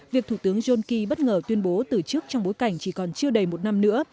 việc thủ tướng johnki bất ngờ tuyên bố từ chức trong bối cảnh chỉ còn chưa đầy một năm nữa